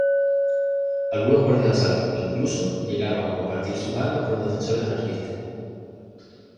Algunos guardias de asalto, incluso, llegaron a compartir sus armas con los defensores anarquistas.